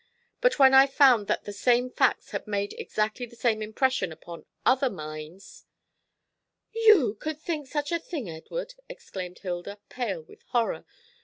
But when I found that the same facts had made exactly the same impression upon other minds " "You could think such a thing, Edward!" exclaimed Hilda, pale with horror.